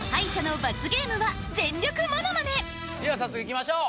では早速いきましょう。